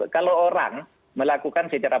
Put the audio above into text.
kalau orang melakukan secara